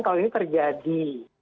kalau ini terjadi